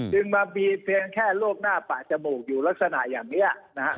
จึงมามีเพียงแค่โรคหน้าปากจมูกอยู่ลักษณะอย่างนี้นะฮะ